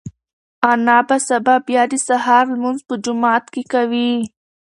انا به سبا بیا د سهار لمونځ په جومات کې کوي.